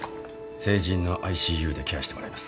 成人のＩＣＵでケアしてもらいます。